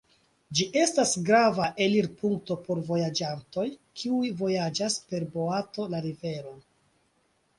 Ĝi estas grava elirpunkto por vojaĝantoj, kiuj vojaĝas per boato la riveron.